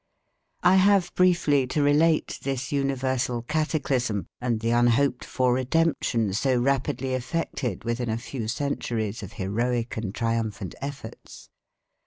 I have briefly to relate this universal cataclysm and the unhoped for redemption so rapidly effected within a few centuries of heroic and triumphant efforts.